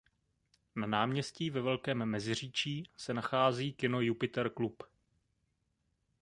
Na Náměstí ve Velkém Meziříčí se nachází kino Jupiter Club.